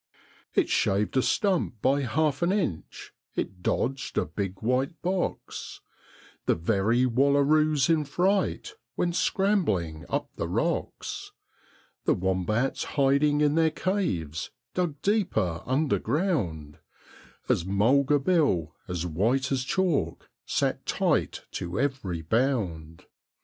It shaved a stump by half an inch, it dodged a big white box: The very wallaroos in fright went scrambling up the rocks, The wombats hiding in their caves dug deeper underground, As Mulga Bill, as white as chalk, sat tight to every bound.